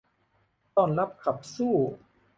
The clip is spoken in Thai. ต้อนรับขับสู้